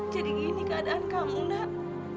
jadi gini keadaan kamu nak